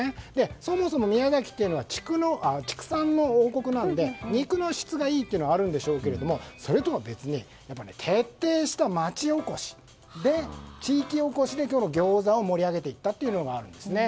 そもそも、宮崎は畜産の王国なので肉の質がいいってのはあるんでしょうけどそれとは別に徹底した街おこし地域おこしで餃子を盛り上げていったということがあるんですね。